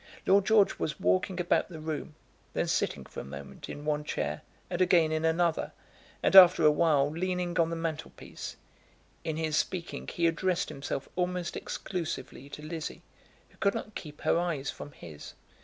Lord George was walking about the room, then sitting for a moment in one chair and again in another, and after a while leaning on the mantelpiece. In his speaking he addressed himself almost exclusively to Lizzie, who could not keep her eyes from his.